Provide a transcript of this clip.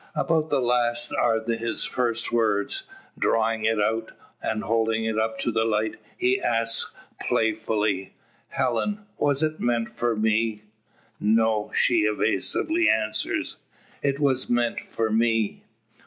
About the last are his first words. Drawing it out, and holding it up to the light, he asks playfully: "Helen; was it meant fo' me?" "No," she evasively answers, "it was meant for me."